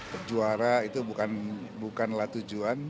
perjuara itu bukanlah tujuan